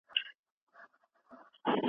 مورنۍ ژبه د زده کړي کيلي ده.